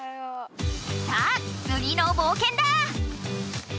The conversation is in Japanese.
さあつぎのぼうけんだ！